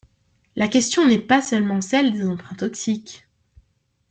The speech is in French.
La question n’est pas seulement celle des emprunts toxiques.